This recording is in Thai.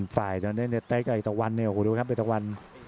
ฝ่ายดอนินเตสไอตะวันโอ้โหดูครับไอตะวัน